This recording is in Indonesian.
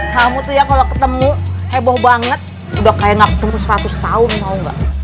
kamu tuh ya kalo ketemu heboh banget udah kayak gak ketemu seratus tahun tau gak